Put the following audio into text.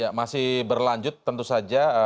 ya masih berlanjut tentu saja